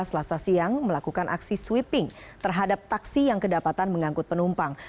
selasa siang melakukan aksi sweeping terhadap taksi yang kedapatan mengangkut penumpang